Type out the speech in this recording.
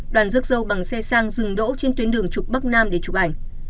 đoàn rước dâu bằng xe sang rừng đỗ trên tuyến đường trục băng nam để chụp ảnh